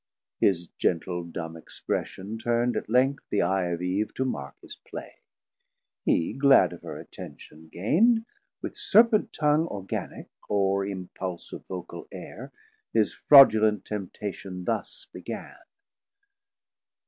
His gentle dumb expression turnd at length The Eye of Eve to mark his play; he glad Of her attention gaind, with Serpent Tongue Organic, or impulse of vocal Air, 530 His fraudulent temptation thus began.